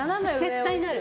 絶対なる。